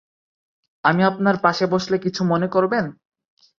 আমি আপনার পাশে বসলে কিছু মনে করবেন?